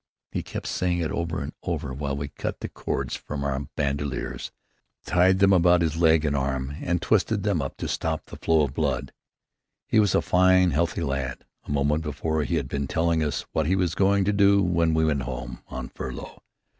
He kept saying it over and over while we cut the cords from our bandoliers, tied them about his leg and arm and twisted them up to stop the flow of blood. He was a fine, healthy lad. A moment before he had been telling us what he was going to do when we went home on furlough.